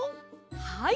はい。